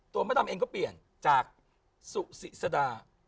มดดำเองก็เปลี่ยนจากสุศิษดา